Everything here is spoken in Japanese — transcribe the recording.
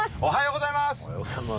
おはようございます！